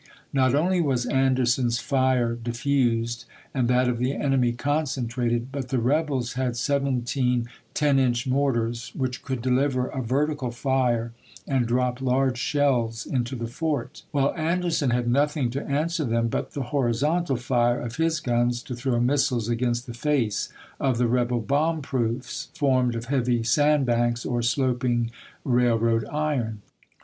Not only was Anderson's fire diffused and that of the enemy concentrated, but the rebels had seventeen 10 inch mortars, which could deliver a vertical fire and drop large shells into the fort; while Anderson had nothing to answer them but the horizontal fire of his guns to throw missiles against the face of the rebel bomb proofs, formed of heavy sand banks or sloping railroad iron.